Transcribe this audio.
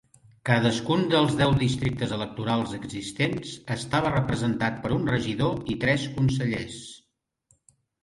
Cadascun dels deu districtes electorals existents estava representat per un regidor i tres consellers.